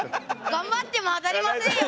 頑張っても当たりませんよ